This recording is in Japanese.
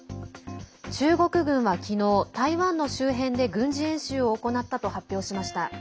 中国軍は昨日、台湾の周辺で軍事演習を行ったと発表しました。